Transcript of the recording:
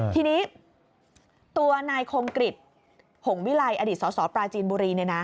ทีนี้ตัวนายคมกริจหงวิลัยอดีตสสปราจีนบุรี